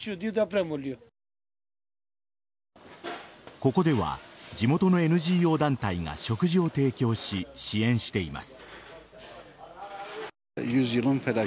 ここでは地元のＮＧＯ団体が食事を提供し支援しています。